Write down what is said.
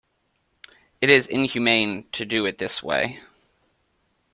It is inhumane to do it this way.